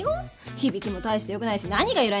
響きも大して良くないし何が由来なわけ？